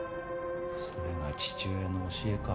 それが父親の教えか？